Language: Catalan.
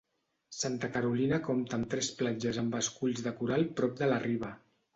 Santa Carolina compta amb tres platges amb esculls de coral prop de la riba.